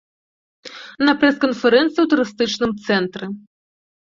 На прэс-канферэнцыі ў турыстычным цэнтры.